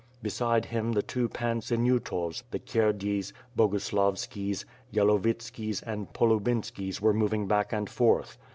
Be side him the two Pans Sinyutos, the Kierdeys, Boguslavskis, Yelovitskis, and Polubinskis were moving back and forth.